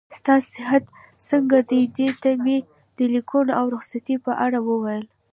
ستا صحت څنګه دی؟ دې ته مې د لیکونو او رخصتۍ په اړه وویل.